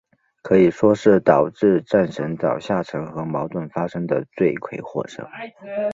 可以说是导致战神岛下沉和矛盾发生的罪魁祸首。